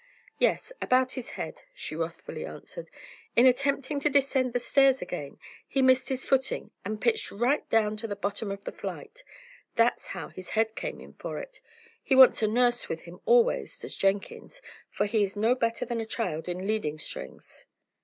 "Yes, about his head!" she wrathfully answered. "In attempting to descend the stairs again, he missed his footing, and pitched right down to the bottom of the flight. That's how his head came in for it. He wants a nurse with him always, does Jenkins, for he is no better than a child in leading strings."